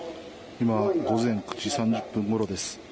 今午前９時３０分ごろです。